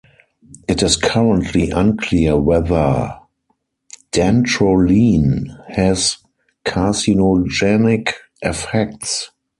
It is currently unclear whether Dantrolene has carcinogenic effects.